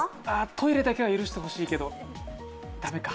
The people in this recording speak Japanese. トイレだけは許してほしいけど、駄目か。